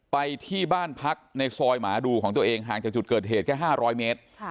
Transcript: ไปที่บ้านพักในซอยหมาดูของตัวเองห่างจากจุดเกิดเหตุแค่๕๐๐เมตร